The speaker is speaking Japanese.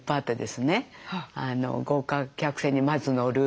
豪華客船にまず乗る。